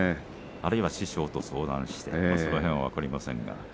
あるいは師匠と相談したかその辺は分かりませんが。